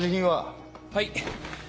はい。